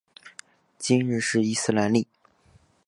今日是伊斯兰历。